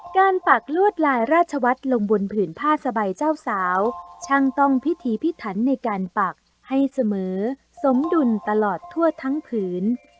ปักลวดลายราชวัฒน์ลงบนผืนผ้าสบายเจ้าสาวช่างต้องพิธีพิถันในการปักให้เสมอสมดุลตลอดทั่วทั้งผืน